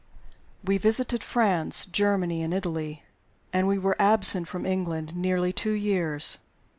WE visited France, Germany, and Italy; and we were absent from England nearly two years.